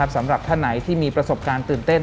สำหรับท่านไหนที่มีประสบการณ์ตื่นเต้น